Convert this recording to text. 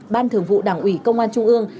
ban thường vụ đảng ủy công an trung ương